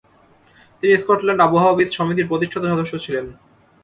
তিনি স্কটল্যান্ড আবহাওয়াবিদ সমিতির প্রতিষ্ঠাতা সদস্য ছিলেন।